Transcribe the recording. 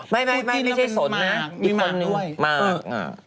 ไม่ไม่ใช่สนนะอีกคนนึงมาก